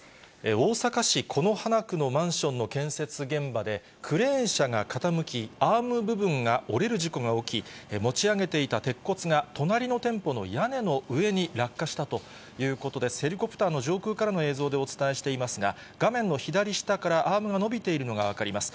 大阪市此花区のマンションの建設現場で、クレーン車が傾き、アーム部分が折れる事故が起き、持ち上げていた鉄骨が隣の店舗の屋根の上に落下したということで、ヘリコプターの上空からの映像でお伝えしていますが、画面の左下からアームが伸びているのが分かります。